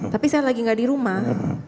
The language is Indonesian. tapi saya lagi nggak di rumah